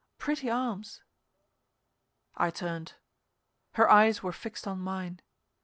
"Pretty arms!" I turned. Her eyes were fixed on mine.